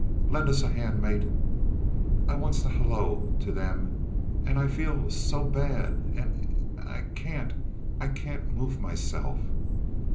Lend us a hand, mate. I wants to halloo to 'em and I feels so bad and I can't, I can't move myself.